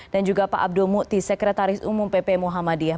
dan juga pak abdul mukti sekretaris umum pp muhammadiyah